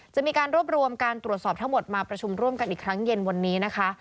จะมีการรวบรวมการตรวจสอบทั้งหมดมาประชุมร่วมกันอีกครั้งเย็นวันนี้นะคะ